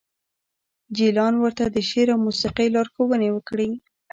جلان ورته د شعر او موسیقۍ لارښوونې وکړې